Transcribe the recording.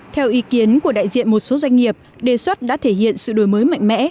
theo ý kiến của đại diện một số doanh nghiệp đề xuất đã thể hiện sự đổi mới mạnh mẽ